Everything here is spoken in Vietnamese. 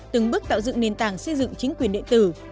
từng bước tạo dựng nền tảng xây dựng chính quyền điện tử